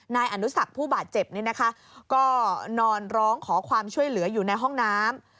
นายอนุสักผู้บาดเจ็บนี่นะคะก็นอนร้องขอความช่วยเหลืออยู่ในห้องน้ำ